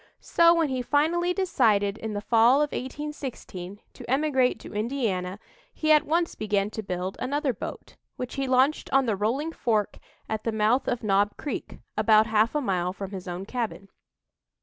So, when he finally decided in the fall of 1816 to emigrate to Indiana, he at once began to build another boat, which he launched on the Rolling Fork, at the mouth of Knob Creek, about half a mile from his own cabin.